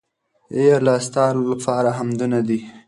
اې الله ! ستا لپاره حمدونه دي